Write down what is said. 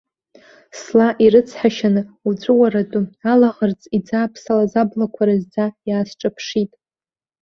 Сла, ирыцҳашьаны уҵәыуаратәы, алаӷырӡ иӡааԥсалаз аблақәа разӡа иаасҿаԥшит.